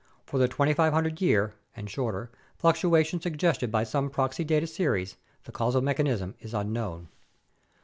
For the 2500 year (and shorter) fluctuations suggested by some proxy data series, the causal mechanism is unknown.